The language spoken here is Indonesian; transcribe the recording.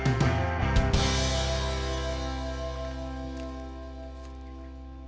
banyak rumah tapi sepi